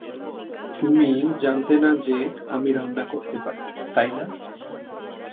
তুমি জানতে না যে আমি রান্না করতে পারি, তাই না?